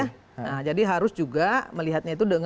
nah jadi harus juga melihatnya itu